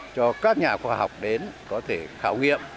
cho các nhà khoa học đến có thể khảo nghiệm